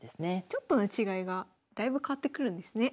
ちょっとの違いがだいぶ変わってくるんですね。